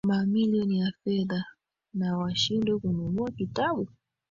Mamilioni ya fedha na washindwe kununua kitabu.